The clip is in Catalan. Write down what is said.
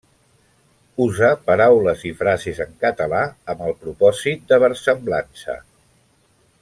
Usa paraules i frases en català amb el propòsit de versemblança.